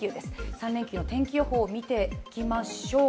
３連休の天気予報を見ていきましょう。